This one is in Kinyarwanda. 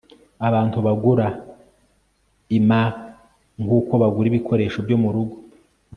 abantu bagura imac nkuko bagura ibikoresho byo murugo